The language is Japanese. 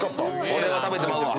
これは食べてまうわ。